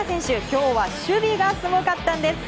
今日は守備がすごかったんです。